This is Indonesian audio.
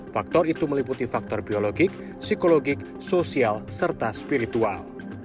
faktor itu meliputi faktor biologik psikologik sosial serta spiritual